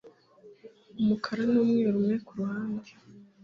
Umukara numweru umwe kuruhande